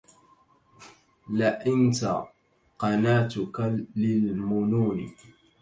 لانت قناتك للمنون